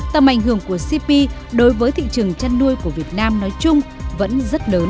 tầm ảnh hưởng của cp đối với thị trường chăn nuôi của việt nam nói chung vẫn rất lớn